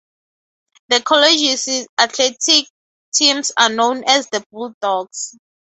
The college's athletic teams are known as the Bulldogs.